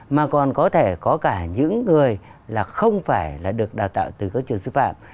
mà còn có thể có cả những người là không phải là được đào tạo từ các trường sư phạm